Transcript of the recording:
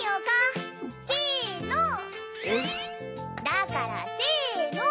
だからせの！